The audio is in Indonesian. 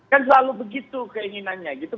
kan selalu begitu keinginannya gitu